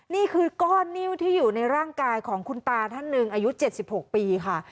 นี่คือก้อนนิ้วที่อยู่ในร่างกายของคุณตาท่านหนึ่งอายุ๗๖ปีค่ะ